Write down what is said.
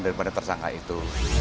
daripada tersangka itu